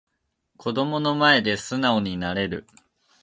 子供の前で素直になれる